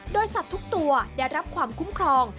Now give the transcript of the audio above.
โดยสัตว์ทุกตัวได้รับความคุ้มครอง